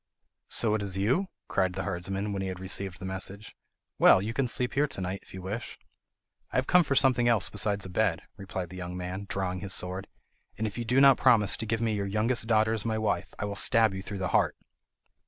"So it is you?" cried the herdsman, when he had received the message. "Well, you can sleep here to night if you wish." "I have come for something else besides a bed," replied the young man, drawing his sword, "and if you do not promise to give me your youngest daughter as my wife I will stab you through the heart."